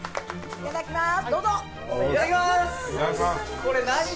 いただきます！